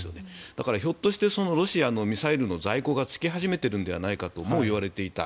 だから、ひょっとしてロシアのミサイルの在庫が尽き始めているのではないかともいわれていた。